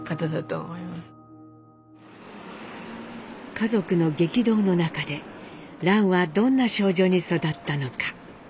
家族の激動の中で蘭はどんな少女に育ったのか。